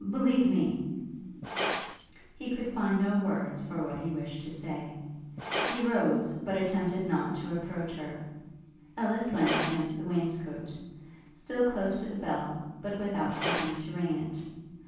believe me ' He could find no words for what he wished to say. He rose, but attempted not to approach her. Ellis leant against the wainscoat, still close to the bell, but without seeking to ring it.